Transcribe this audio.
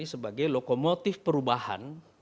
sebagai lokomotif perubahan